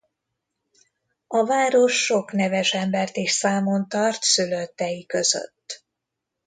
A város sok neves embert is számon tart szülöttei között.